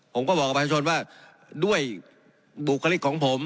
ผมก็บอกกับประชาชนว่าด้วยบุคลิกของผม